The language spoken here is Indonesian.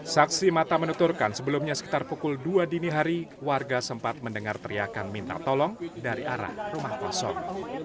saksi mata menuturkan sebelumnya sekitar pukul dua dini hari warga sempat mendengar teriakan minta tolong dari arah rumah kosong